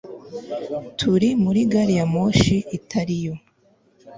Turi muri gari ya moshi itari yo